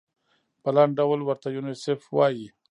په لنډ ډول ورته یونیسف وايي.